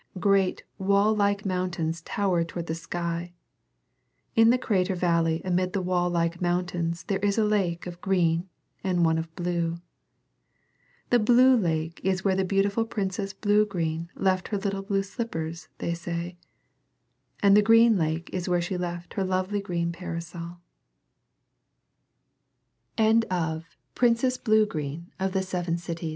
Great wall like mountains tower toward the sky. In the crater valley amid the wall like mountains there is a lake of green and one of blue. The blue lake is where the beautiful Princess Bluegreen left her little blue slippers, they say, and the green lake is where she left her lovely green p